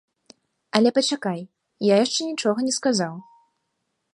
Але пачакай, я яшчэ нічога не сказаў.